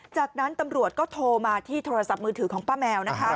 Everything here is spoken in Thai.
จากนั้นตำรวจก็โทรมาที่โทรศัพท์มือถือของป้าแมวนะคะ